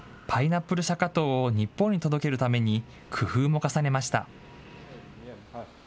パイナップルシャカトウを日本に届けるために、工夫も重ねました。